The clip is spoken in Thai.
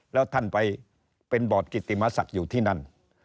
แล้วท่านไปเป็นบอร์ดกิติมศักดิ์อยู่ที่นั่น